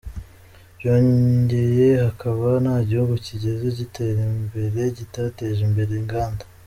Byongeye, hakaba nta gihugu cyigeze gitera imbere kidateje imbere inganda.